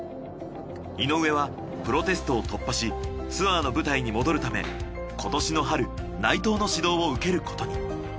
井上はプロテストを突破しツアーの舞台に戻るため今年の春内藤の指導を受けることに。